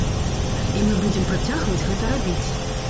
І мы будзем працягваць гэта рабіць.